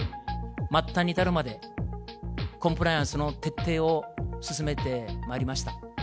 末端に至るまで、コンプライアンスの徹底を進めてまいりました。